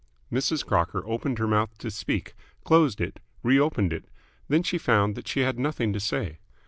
Mrs. Crocker opened her mouth to speak, closed it, re opened it. Then she found that she had nothing to say.